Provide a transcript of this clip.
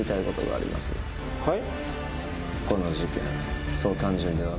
はい？